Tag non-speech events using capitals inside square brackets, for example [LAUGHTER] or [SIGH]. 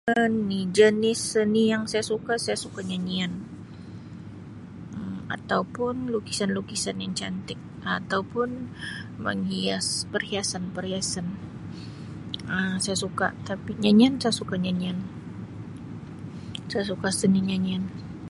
[UNINTELLIGIBLE] Jenis seni yang saya suka saya suka nyanyian Um ataupun lukisan-lukisan yang cantik atau pun menghias perhiasan-perhiasan Um saya suka tapi nyanyian saya suka nyanyian saya suka seni nyanyian.